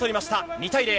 ２対０。